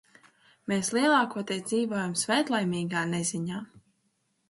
Mēs lielākoties dzīvojām svētlaimīgā neziņā.